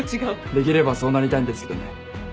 できればそうなりたいんですけどね。